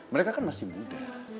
mereka kan masih muda